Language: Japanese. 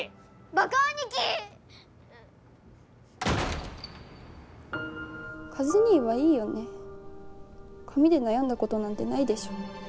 バカ兄貴！和兄はいいよね髪で悩んだことなんてないでしょ！